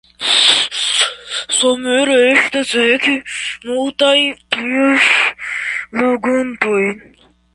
Somere estas eĉ multaj pliaj loĝantoj.